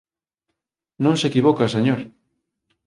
Non se equivoca, señor.